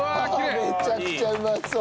めちゃくちゃうまそう。